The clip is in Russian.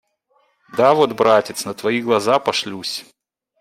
Да вот, братец, на твои глаза пошлюсь.